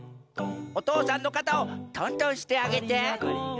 おとうさんのかたをとんとんしてあげて。